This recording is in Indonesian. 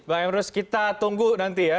bang emrus kita tunggu nanti ya